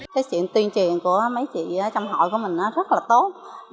cái chuyện tuyên truyền của mấy chị trong hội của mình rất là tốt